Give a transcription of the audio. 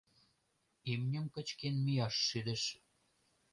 Имньым кычкен мияш шӱдыш.